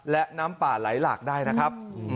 และน้ำป่าไหลหลากได้นะครับ